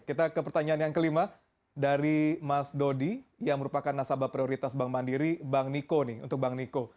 kita ke pertanyaan yang kelima dari mas dodi yang merupakan nasabah prioritas bank mandiri bank niko nih untuk bang niko